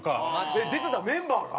えっ？出てたメンバーが？